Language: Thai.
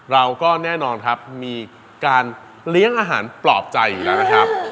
เราก็แน่นอนครับมีการเลี้ยงอาหารปลอบใจอยู่แล้วนะครับ